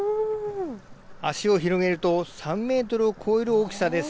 足を広げると３メートルを超える大きさです。